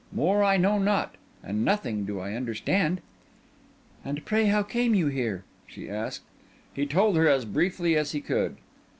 More I know not; and nothing do I understand." "And pray how came you here?" she asked. He told her as briefly as he could.